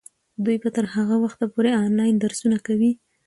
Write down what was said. دوی به تر هغه وخته پورې انلاین درسونه ګوري.